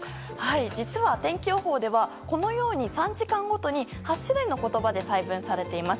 実は天気予報では、このように３時間ごとに８種類の言葉で細分されています。